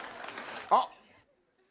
あっ。